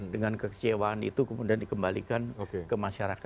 dengan kekecewaan itu kemudian dikembalikan ke masyarakat